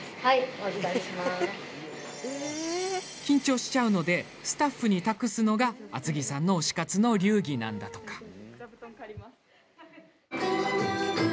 緊張しちゃうのでスタッフに託すのが厚木さんの推し活の流儀なんだとか。